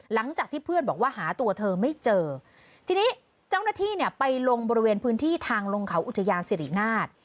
หลังจากที่เพื่อนบอกว่าหาตัวเธอไม่เจอทีนี้เจ้าหน้าที่เนี่ยไปลงบริเวณพื้นที่ทางลงเขาอุทยานสิรินาท